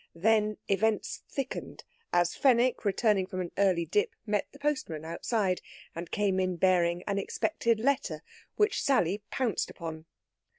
Then events thickened, as Fenwick, returning from an early dip, met the postman outside, and came in bearing an expected letter which Sally pounced upon.